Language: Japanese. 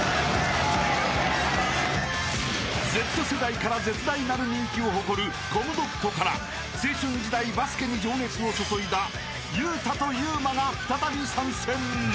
［Ｚ世代から絶大なる人気を誇るコムドットから青春時代バスケに情熱を注いだゆうたとゆうまが再び参戦！］